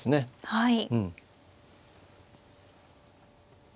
はい。